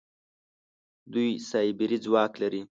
دوی سايبري ځواک لري.